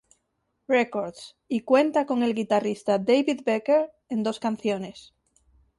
Records y cuenta con el guitarrista David Becker en dos canciones.